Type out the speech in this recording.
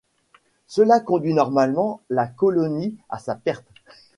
Cela conduit normalement la colonie à sa perte.